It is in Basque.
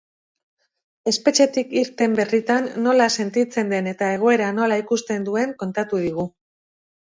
Espetxetik irten berritan nola sentitzen den eta egoera nola ikusten duen kontatu digu.